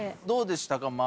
どうでしたか？